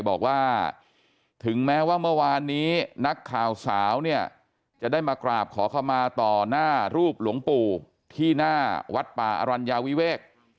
บอกว่าถึงแม้ว่าเมื่อวานนี้นักข่าวสาวเนี่ยจะได้มากราบขอเข้ามาต่อหน้ารูปหลวงปู่ที่หน้าวัดป่าอรัญญาวิเวก